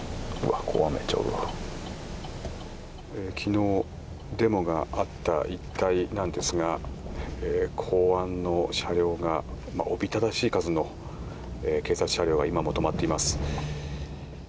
昨日デモがあった一帯なんですが公安の車両がおびただしい数の警察車両が今も止まっています。